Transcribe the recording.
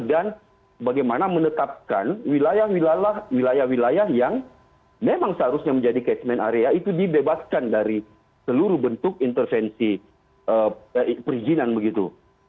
dan bagaimana menetapkan wilayah wilayah yang memang seharusnya menjadi catchment area itu dibebaskan dari seluruh bentuk intervensi perizinan begitu